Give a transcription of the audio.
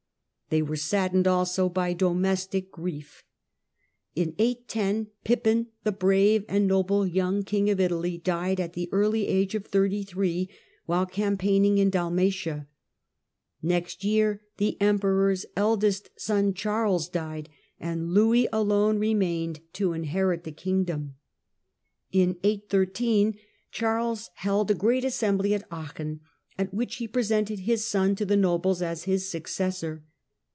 > They were saddened also by domestic grief. In 810 Pippin, the brave and noble young king of Italy, died at the early age of thirty three while campaigning in Dalmatia. Next year the Emperor's eldest son Charles died, and Louis alone remained to inherit the kingdom. In 813 Charles held a great assembly at Aachen, at which he presented his son to the nobles as his suc cessor.